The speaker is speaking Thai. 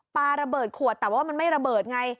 ปลาระเบิดขวดแต่ว่ามันไม่ระเบิดไง